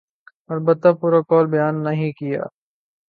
البتہ پورا قول بیان نہیں کیا۔